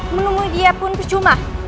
menemui dia pun kecuma